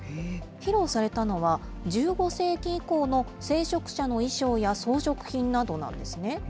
披露されたのは１５世紀以降の聖職者の衣装や装飾品などなんですね。